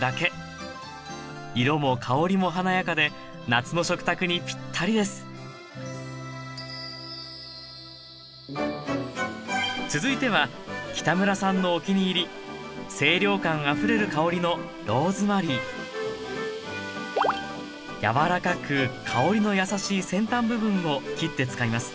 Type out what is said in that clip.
色も香りも華やかで夏の食卓にぴったりです続いては北村さんのお気に入り清涼感あふれる香りの柔らかく香りの優しい先端部分を切って使います